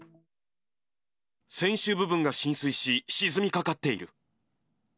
船首部分が浸水し、沈みかかっている。